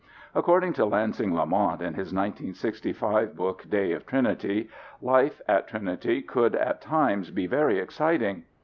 According to Lansing Lamont in his 1965 book Day of Trinity, life at Trinity could at times be very exciting.